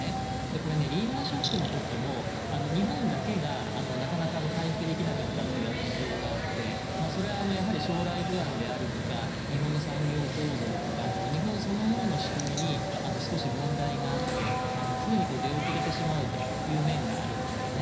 これ、リーマン・ショックの時も日本だけがなかなか回復できなかったという事情があってそれはやはり将来不安であるとか日本の産業構造とかの日本そのものの仕組みに少し問題があって常に出遅れてしまうという面があるんですよね。